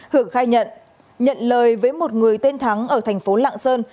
hưởng khai nhận nhận lời với một người tên thắng ở thành phố lạng sơn